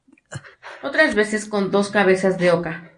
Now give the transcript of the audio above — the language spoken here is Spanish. Otras veces con dos cabezas de oca.